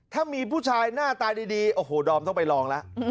ถ้ามีผู้ชายหน้าตาดีโอ้โหดอมต้องไปลองแล้ว